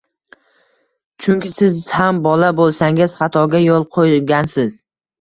Chunki siz ham bola bo‘lgansiz, xatoga yo‘l qo‘ygansiz.